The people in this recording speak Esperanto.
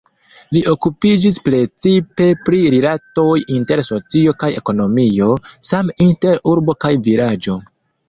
Li okupiĝis precipe pri rilatoj inter socio kaj ekonomio, same inter urbo kaj vilaĝo.